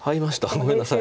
ごめんなさい。